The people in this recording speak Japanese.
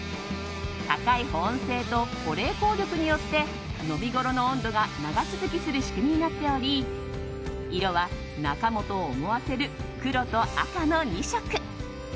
高い保温性と保冷効力によって飲み頃の温度が長続きする仕組みになっており色は中本を思わせる黒と赤の２色。